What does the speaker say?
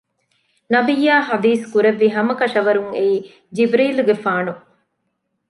ނަބިއްޔާ ޙަދީޘް ކުރެއްވި ހަމަކަށަވަރުން އެއީ ޖިބްރީލުގެފާނު